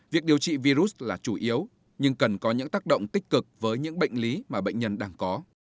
việc điều trị virus là chủ yếu nhưng cần có những tác động tích cực với những bệnh lý mà bệnh nhân đang có